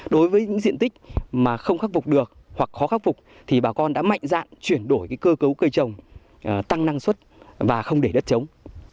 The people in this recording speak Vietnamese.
đối với những diện tích mà không khắc phục được hoặc khó khắc phục thì bà con đã mạnh dạn chuyển đổi cơ cấu cây trồng tăng năng suất và không để đất chống